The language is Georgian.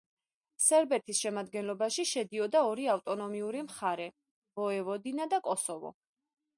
სერბეთის შემადგენლობაში შედიოდა ორი ავტონომიური მხარე: ვოევოდინა და კოსოვო.